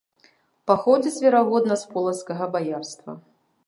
Паходзяць, верагодна, з полацкага баярства.